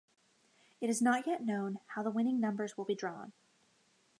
It is not yet known how the winning numbers will be drawn.